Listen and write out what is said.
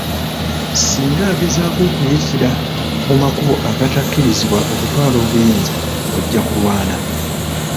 Singa agezaako okuyitira mu makubo agatakkirizibwa okutwala obuyinza ojja kulwana.